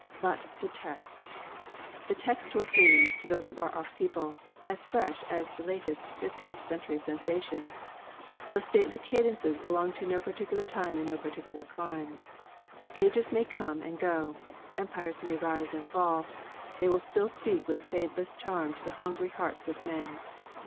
But the text! The text will seem to those far off people as fresh as the latest fiftieth century sensation. Those stately cadences belong to no particular time and to no particular clime. Ages may come and go; empires may rise and fall; they will still speak with fadeless charm to the hungry hearts of men.